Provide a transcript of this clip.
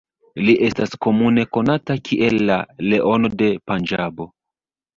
Li estas komune konata kiel la "Leono de Panĝabo".